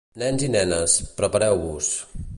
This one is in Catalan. Nens i nenes, prepareu-vos.